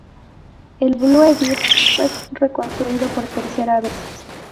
El Blue Bird fue reconstruido por tercera vez.